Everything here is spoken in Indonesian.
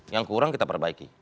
yang kurang kita perbaiki